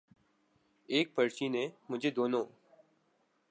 ایک پرچی نے مجھے دونوں